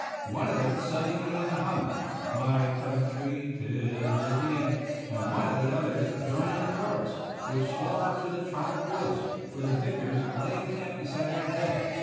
One of them suddenly began to hum, " My Country 'tis of Thee," and one by one the others joined in the chorus, which swelled out through the tropic woods, where the victors lay in camp beside their dead.